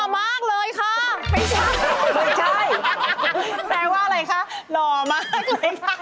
ไม่ใช่แปลว่าอะไรคะหล่อมากเลยค่ะ